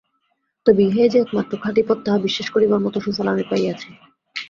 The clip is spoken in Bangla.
তবে ইহাই যে একমাত্র খাঁটি পথ, তাহা বিশ্বাস করিবার মত সুফল আমি পাইয়াছি।